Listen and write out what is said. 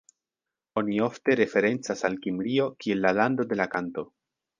Oni ofte referencas al Kimrio kiel la "lando de la kanto".